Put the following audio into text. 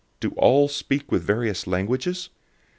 Do all speak with various languages?